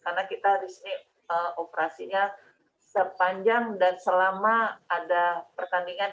karena kita di sini operasinya sepanjang dan selama ada pertandingan